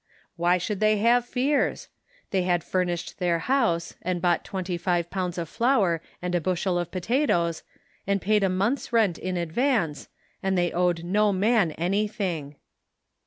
Why should they have fears? They had furnished their house, and bought twenty five pounds of flour and a bushel of potatoes, and paid a month's rent in advance, and they owed no man anything.